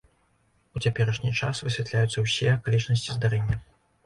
У цяперашні час высвятляюцца ўсе акалічнасці здарэння.